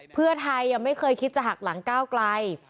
เพื่อไทยยังไม่เคยคิดจะหักหลังก้าวไกล